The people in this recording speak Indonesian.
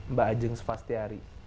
mbak ajeng svastiari